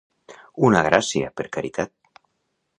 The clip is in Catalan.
Una gràcia per caritat!